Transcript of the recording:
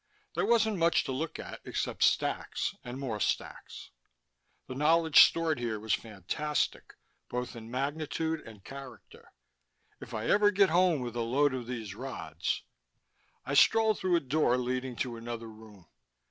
There wasn't much to look at except stacks and more stacks. The knowledge stored here was fantastic, both in magnitude and character. If I ever get home with a load of these rods.... I strolled through a door leading to another room.